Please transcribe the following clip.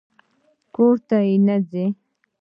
_کور ته نه ځې؟